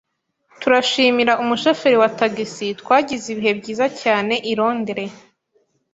Turashimira umushoferi wa tagisi, twagize ibihe byiza cyane i Londres.